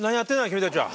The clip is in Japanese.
君たちは。